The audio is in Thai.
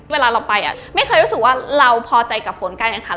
เวลาเราไปไม่เคยรู้สึกว่าเราพอใจกับผลการแข่งขัน